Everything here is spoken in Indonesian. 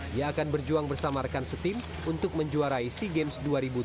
dia akan berjuang bersama rekan setim untuk menjuarai sea games dua ribu dua puluh